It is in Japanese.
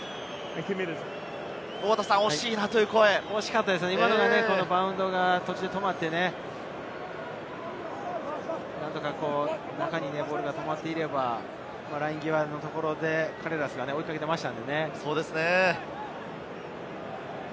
惜しかったですね、バウンドが途中で止まって、中にボールが止まっていれば、ライン際のところでカレーラスが追いかけていましたからね。